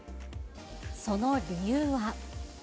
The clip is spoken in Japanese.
その理由は。